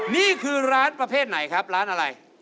นี่คือร้านประเภทไหนครับร้านอะไร